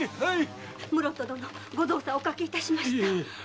室戸殿ご造作をおかけしました。